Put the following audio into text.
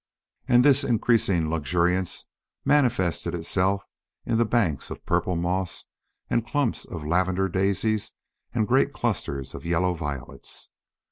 And this increasing luxuriance manifested itself in the banks of purple moss and clumps of lavender daisies and great clusters of yellow violets.